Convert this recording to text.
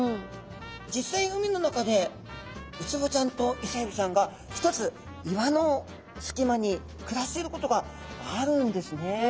実際海の中でウツボちゃんとイセエビちゃんがひとつ岩の隙間に暮らしていることがあるんですね。